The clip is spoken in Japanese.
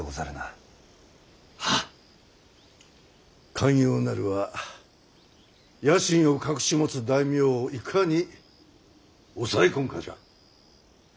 肝要なるは野心を隠し持つ大名をいかに抑え込むかじゃ。